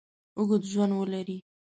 اوږد ژوند ولري.